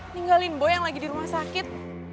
ninggalin boy yang lagi di rumah sakit